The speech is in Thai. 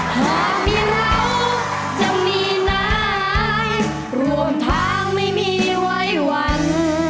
หากมีเราจะมีนายรวมทางไม่มีไว้วัน